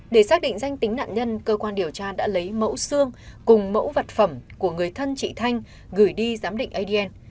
để xác định danh tính nạn nhân cơ quan điều tra đã lấy mẫu xương cùng mẫu vật phẩm của người thân chị thanh gửi đi giám định adn